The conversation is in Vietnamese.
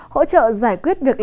hỗ trợ giải quyết việc làm